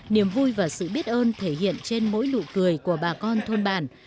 niềm vui và sự biết ơn thể hiện trên mỗi lụ cười của bà con thôn bạn